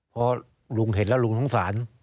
เพราะลุงเห็นแล้วลุงท้องสาร